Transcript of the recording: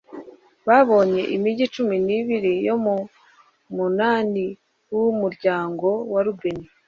babonye imigi cumi n'ibiri yo mu munani w'umuryango wa rubeni